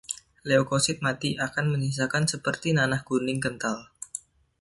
Leukosit mati akan menyisakan seperti nanah kuning kental.